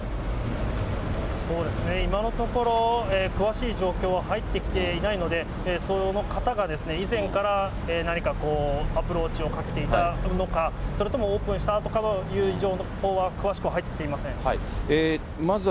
そうですね、今のところ、詳しい状況は入ってきていないので、その方が以前から何かアプローチをかけていたのか、それともオープンしたあとかの情報は詳しく入ってきていません。